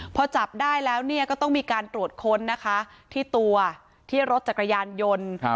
พอจับได้แล้วเนี่ยก็ต้องมีการตรวจค้นนะคะที่ตัวที่รถจักรยานยนต์